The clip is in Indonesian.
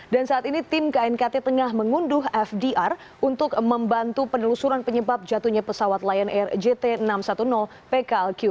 dan saat ini tim knkt tengah mengunduh fdr untuk membantu penelusuran penyebab jatuhnya pesawat lion air jt enam ratus sepuluh pklqp